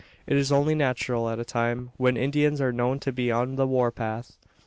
It is only natural at a time, when Indians are known to be on the war path.